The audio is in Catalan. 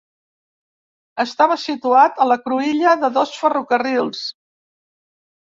Estava situat a la cruïlla de dos ferrocarrils.